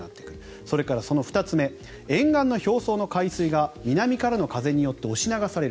そして２つ目沿岸の表層の海水が南からの風によって押し流される。